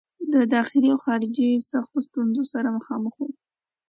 د داخلي او خارجي سختو ستونزو سره مخامخ وو.